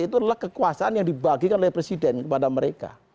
itu adalah kekuasaan yang dibagikan oleh presiden kepada mereka